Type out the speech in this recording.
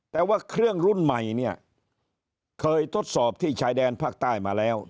แต่ว่าเครื่องรุ่นใหม่เนี่ยเคยทดสอบที่ชายแดนภาคใต้มาแล้ว